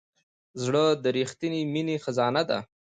زړه د رښتینې مینې خزانه ده.